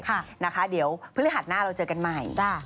ค่ะนะคะเดี๋ยวพฤหัสหน้าเราเจอกันใหม่